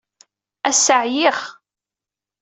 Ass-a, ɛyiɣ.